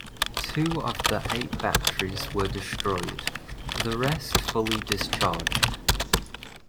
Two of the eight batteries were destroyed, the rest fully discharged.